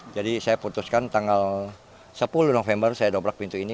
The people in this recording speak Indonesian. jadi saya putuskan tanggal sepuluh november saya dobrak pintu ini